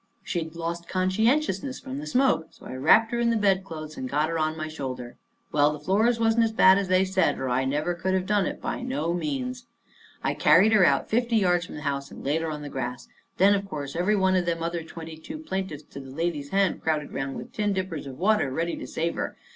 She'd lost conscientiousness from the smoke, so I wrapped her in the bed clothes and got her on my shoulder. Well, the floors wasn't as bad as they said, or I never could have done it—not by no means. I carried her out fifty yards from the house and laid her on the grass. Then, of course, every one of them other twenty two plaintiff's to the lady's hand crowded around with tin dippers of water ready to save her.